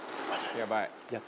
「やばい」